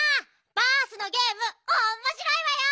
バースのゲームおもしろいわよ！